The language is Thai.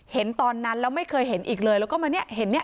เห็นตอนนั้นแล้วไม่เคยเห็นอีกเลยแล้วก็มาเนี่ยเห็นเนี่ย